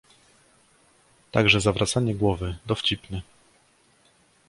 "Także zawracanie głowy... Dowcipny!"